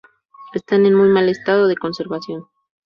Están en muy mal estado de conservación.